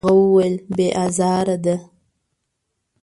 هغه وویل: «بې ازاره ده.»